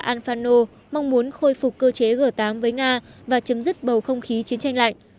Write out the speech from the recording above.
alfano mong muốn khôi phục cơ chế g tám với nga và chấm dứt bầu không khí chiến tranh lạnh